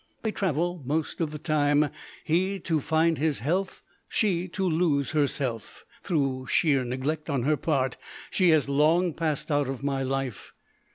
They travel most of the time, he to find his health, she to lose herself. Through sheer neglect on her part she has long passed out of my life.